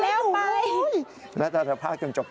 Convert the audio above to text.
แหม่พืชผักศูนย์ครัวกำลังเขียวกจี